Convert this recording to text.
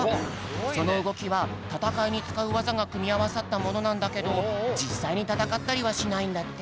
そのうごきはたたかいにつかうわざがくみあわさったものなんだけどじっさいにたたかったりはしないんだって。